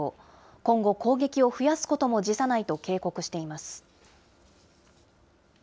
今後、攻撃を増やすことも辞さないと警告しています。